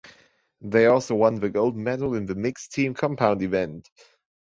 They also won the gold medal in the mixed team compound event.